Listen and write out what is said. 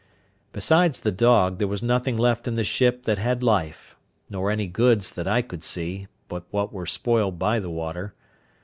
Besides the dog, there was nothing left in the ship that had life; nor any goods, that I could see, but what were spoiled by the water.